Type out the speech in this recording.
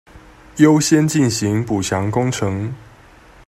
優先進行補強工程